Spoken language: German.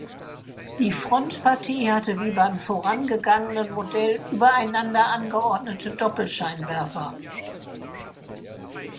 Die Frontpartie hatte wie beim vorangegangenen Modell übereinander angeordnete Doppelscheinwerfer.